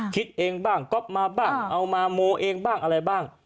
คิดเองบ้างก๊อปมาบ้างเอามาโมเองบ้างอะไรบ้าง